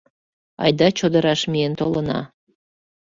— Айда чодыраш миен толына.